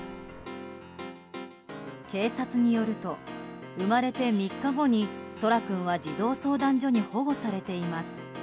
警察によると生まれて３日後に空来君は児童相談所に保護されています。